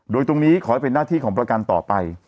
โดยตรงนี้ขอให้เป็นหน้าที่ของประกันต่อไป